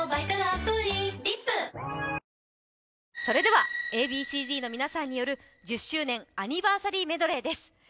それではＡ．Ｂ．Ｃ−Ｚの皆さんによる１０周年アニバーサリーメドレーです